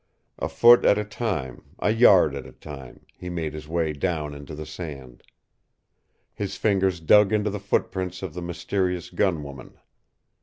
A foot at a time, a yard at a time, he made his way down into the sand. His fingers dug into the footprints of the mysterious gun woman.